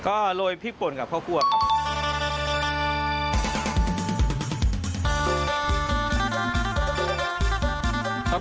ก็โรยพริกป่นกับข้าวคั่วครับ